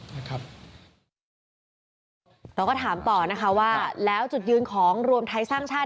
เราก็ถามต่อนะคะว่าแล้วจุดยืนของรวมไทยสร้างชาติ